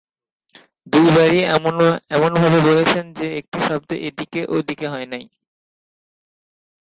দু বারই এমনভাবে বলেছেন যে, একটি শব্দ এদিক-ওদিক হয় নি।